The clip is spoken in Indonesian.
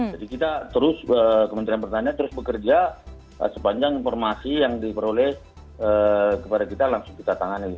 jadi kita terus kementerian pertanian terus bekerja sepanjang informasi yang diperoleh kepada kita langsung kita tangani